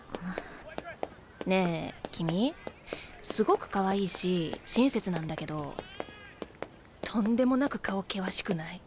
ねえ君すごくかわいいし親切なんだけどとんでもなく顔険しくない？